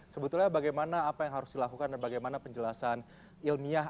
sebetulnya bagaimana apa yang harus dilakukan dan bagaimana penjelasan ilmiah